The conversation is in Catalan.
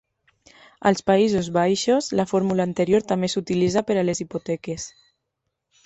Als Països Baixos, la fórmula anterior també s'utilitza per a les hipoteques.